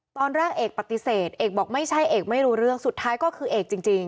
ตอนแรกเอกปฏิเสธเอกบอกไม่ใช่เอกไม่รู้เรื่องสุดท้ายก็คือเอกจริง